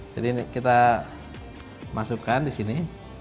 jadi ini kita masukkan disini